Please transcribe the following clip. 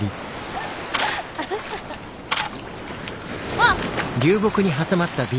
あっ！